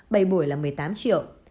bảy buổi là một mươi tám triệu